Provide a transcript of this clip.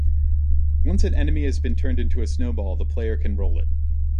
Once an enemy has been turned into a snowball, the player can roll it.